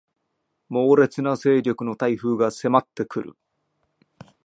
猛烈な勢力の台風が迫ってくる